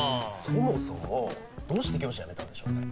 そもそもどうして教師辞めたんでしょうね。